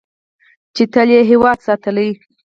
چې تل یې هیواد ساتلی.